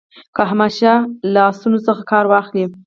که احمدشاه له آسونو څخه کار واخلي.